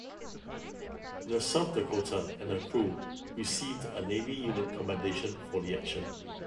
The "South Dakota" and her crew received a Navy Unit Commendation for the action.